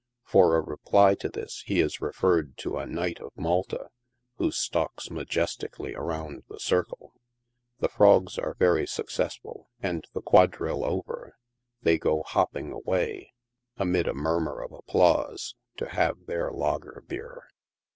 For a reply to this he is referred to a Knight of Malta, who stalks majestically around the circle. The frogs are very success ful, and, the quadrille over, they go hopping away, amid a murmur of applause, to have their lager bier.